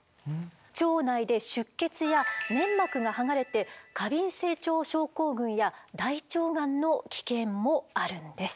腸内で出血や粘膜が剥がれて過敏性腸症候群や大腸がんの危険もあるんです。